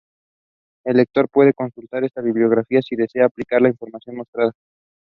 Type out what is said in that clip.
He worked on treatments against shipworms.